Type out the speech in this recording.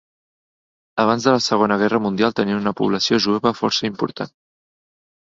Abans de la Segona Guerra Mundial tenia una població jueva força important.